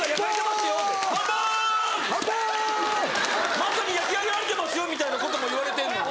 「まさに焼き上げられてますよ」みたいなことも言われてんのに。